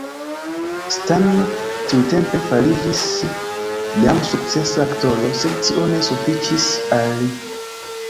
Stan tiutempe fariĝis jam sukcesa aktoro, sed tio ne sufiĉis al li.